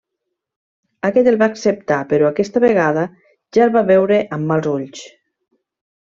Aquest el va acceptar però aquesta vegada ja el va veure amb mals ulls.